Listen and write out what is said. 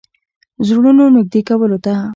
زړونو نېږدې کولو ته.